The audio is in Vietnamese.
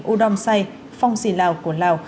u đông xay phong xì lào quần lào